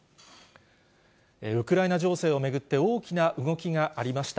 ウクライナ情勢を巡って、大きな動きがありました。